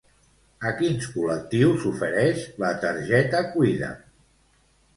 A quins col·lectius s'ofereix la targeta Cuida'm?